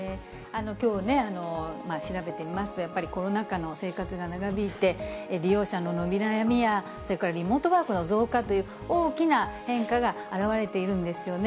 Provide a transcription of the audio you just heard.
きょうね、調べてみますと、やっぱりコロナ禍の生活が長引いて、利用者の伸び悩みや、それからリモートワークの増加という、大きな変化が現れているんですよね。